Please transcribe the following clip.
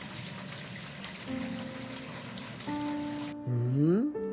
うん？